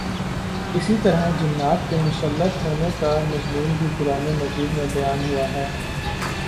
اسی طرح جنات کے مسلط ہونے کا مضمون بھی قرآنِ مجید میں بیان ہوا ہے